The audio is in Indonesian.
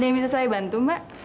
yang bisa saya bantu mbak